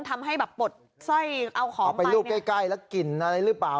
ทำให้แบบปลดเอาของไปไปรูปใกล้ใกล้แล้วกินอะไรหรือเปล่า